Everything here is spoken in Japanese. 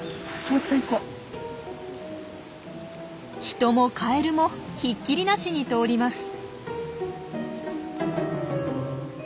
人もカエルもひっきりなしに通ります。